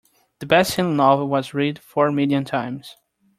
The bestselling novel was read four million times.